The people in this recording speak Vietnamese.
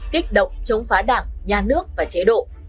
kích động chống phá đảng nhà nước và chế độ